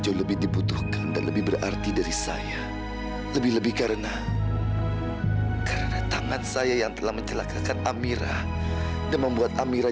aku sebenarnya khawatir sama amira